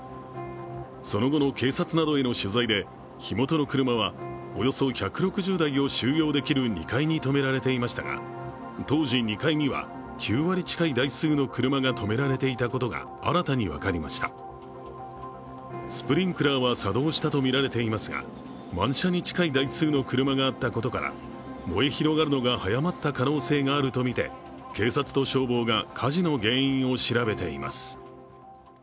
その後の警察などへの取材で火元の車はおよそ１６０台を収容できる２階に止められていましたが当時２階には９割近い台数の車が止められていたことが新たに分かりましたスプリンクラーは作動したとみられていますが満車に近い台数の車があったことから燃え広がるのが早まった可能性があるとみて警察と消防が火事の原因を調べています。